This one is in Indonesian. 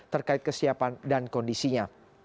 terkait kesiapan dan kondisinya